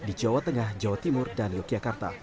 di jawa tengah jawa timur dan yogyakarta